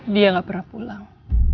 dia gak pernah pulang